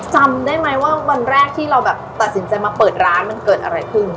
จำได้ไหมว่าวันแรกที่เราแบบตัดสินใจมาเปิดร้านมันเกิดอะไรขึ้น